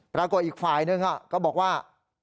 ปรากฏอีกฝ่ายนึงฮะก็บอกว่า